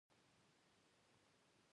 عقلمن انسان هغه دی چې پلمه ونه ګرځوي.